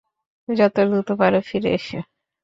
যত দ্রুত পারো ফিরে এসো।